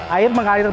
air mengalir begitu